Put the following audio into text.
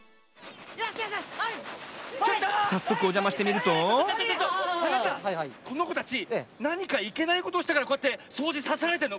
さっそくおじゃましてみるとこのこたちなにかいけないことをしたからこうやってそうじさせられてるの？